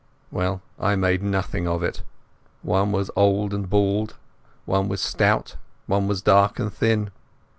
Well, I made nothing of it. One was old and bald, one was stout, one was dark and thin.